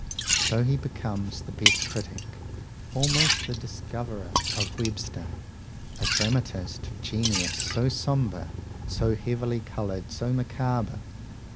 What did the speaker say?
So he becomes the best critic, almost the discoverer, of Webster, a dramatist of genius so sombre, so heavily coloured, so macabre.